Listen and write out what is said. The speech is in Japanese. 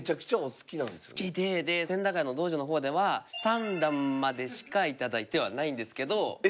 好きでで千駄ヶ谷の道場の方では三段までしか頂いてはないんですけど。